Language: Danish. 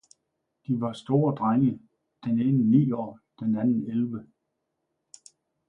de var store drenge, den ene ni år, den anden elve.